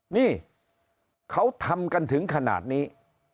นี่เขาทำกันถึงขนาดนี้